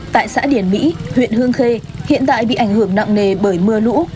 tại xã điển mỹ huyện hương khê hiện tại bị ảnh hưởng nặng nề bởi mưa lũ